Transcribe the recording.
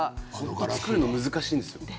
作るのも難しいんですよ